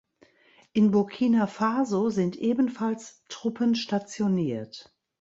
In Burkina Faso sind ebenfalls Truppen stationiert.